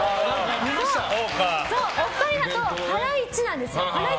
お二人だと、ハライチなんですよ。